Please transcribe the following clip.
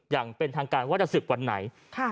อย่างเป็นทางการว่าจะศึกวันไหน